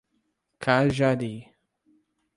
Cajari